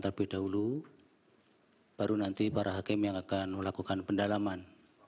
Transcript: terlebih dahulu baru nanti para hakim yang akan melakukan pendalaman